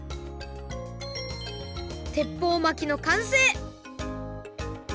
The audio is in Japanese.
てっぽう巻きのかんせい！